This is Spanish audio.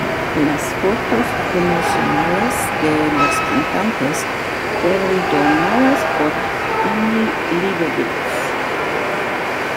Las fotos promocionales de los cantantes fueron tomadas por Annie Leibovitz.